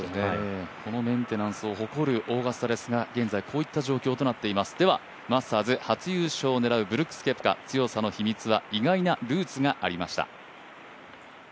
このメンテナンスを誇るオーガスタですがではマスターズ初優勝を狙うブルックス・ケプカ強さの秘密は意外なルーツがありました。